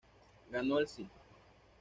Ganó el SÍ.